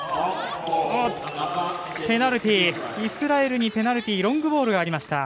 イスラエルのペナルティーロングボールがありました。